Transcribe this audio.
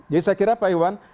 jadi saya kira pak iwan